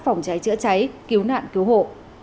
phòng cháy chữa cháy cứu nạn cứu hộ